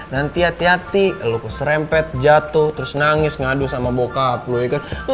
nanti hati hati lo serempet jatuh terus nangis ngadu sama bokap lo ya kan